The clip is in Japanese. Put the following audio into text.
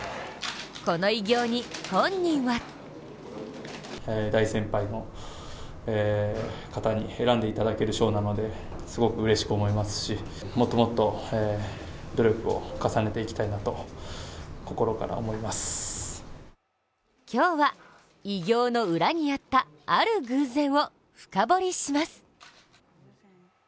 この偉業に本人は今日は偉業の裏にあったある偶然を深掘りします。